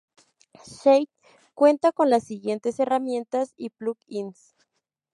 Shake cuenta con las siguientes herramientas y Plug-ins.